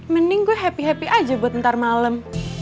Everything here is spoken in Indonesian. mending gue happy happy aja buat ntar malam